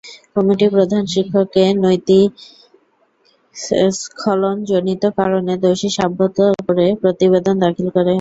Committee প্রধান শিক্ষককে নৈতিক স্খলনজনিত কারণে দোষী সাব্যস্ত করে প্রতিবেদন দাখিল করে।